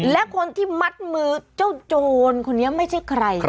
และคนที่มัดมือเจ้าโจรคนนี้ไม่ใช่ใคร